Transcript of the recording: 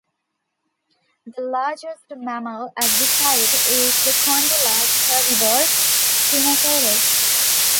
The largest mammal at the site is the condylarth herbivore "Phenacodus".